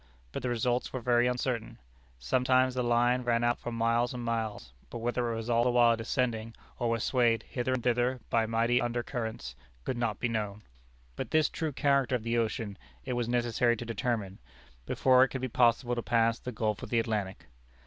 But the results were very uncertain. Sometimes the line ran out for miles and miles, but whether it was all the while descending, or was swayed hither and thither by mighty under currents, could not be known. But this true character of the ocean it was necessary to determine, before it could be possible to pass the gulf of the Atlantic.